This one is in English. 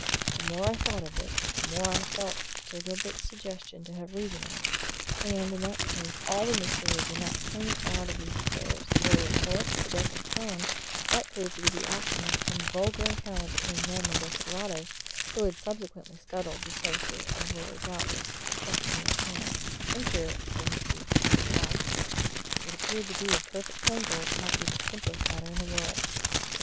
The more I thought of it, the more I felt Sir Gilbert's suggestion to have reason in it. And in that case all the mystery would be knocked clean out of these affairs the murder of Phillips, the death of Crone, might prove to be the outcome of some vulgar encounter between them and desperadoes who had subsequently scuttled to safety and were doubtless quaking near at hand, in fear of their misdeeds coming to light; what appeared to be a perfect tangle might be the simplest matter in the world.